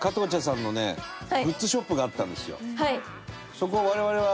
そこを我々は。